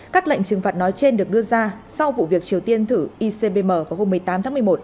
các lệnh trừng phạt nói trên được đưa ra sau vụ việc triều tiên thử icbm vào hôm một mươi tám tháng một mươi một